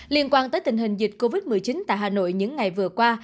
liên quan tới tình hình dịch covid một mươi chín tại hà nội những ngày vừa qua